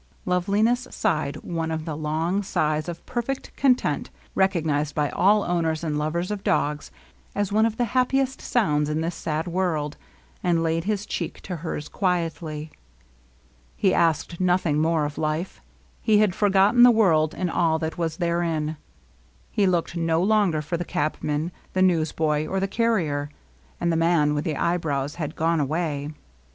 Loveliness sighed one of the long sighs of perfect content recognized by all owners and lovers of dogs as one of the happi est sounds in this sad world, and laid his cheek to hers quietly. He asked nothing more of life. He had forgotten the world and all that was therein. He looked no longer for the cabman, the newsboy, or the carrier, and the man with the eyebrows had gone away.